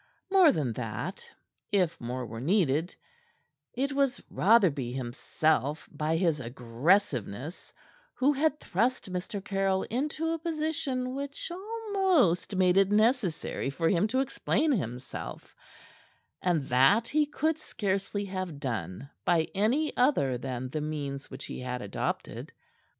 More than that if more were needed it was Rotherby himself, by his aggressiveness, who had thrust Mr. Caryll into a position which almost made it necessary for him to explain himself; and that he could scarcely have done by any other than the means which he had adopted.